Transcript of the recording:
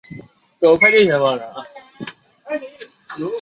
它是氟化氯与含氧化合物反应产生的常见副产物。